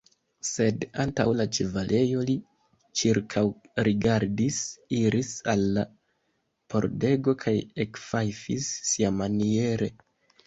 Sed antaŭ la ĉevalejo li ĉirkaŭrigardis, iris al la pordego kaj ekfajfis siamaniere.